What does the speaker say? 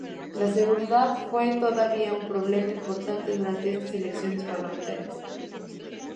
La seguridad fue todavía un problema importante durante estas elecciones parlamentarias.